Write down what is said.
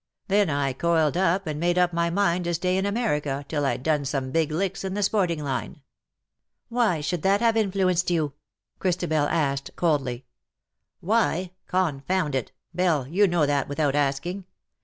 Then I coiled up, and made up my mind to stay in America till I'd done some big licks in the sporting line." " Why should that have influenced you ?" Chris tabel asked, coldly. '' Why ? Confound it ! Belle, you know that without asking.